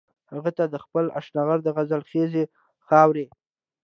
هغه ته د خپل اشنغر د غزل خيزې خاورې